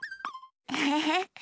エヘヘ。